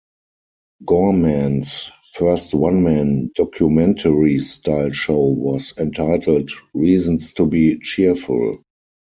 Gorman's first one-man "documentary style" show was entitled "Reasons to be Cheerful".